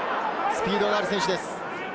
スピードがある選手です。